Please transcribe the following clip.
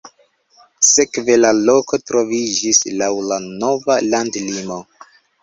Sekve la loko troviĝis laŭ la nova landlimo.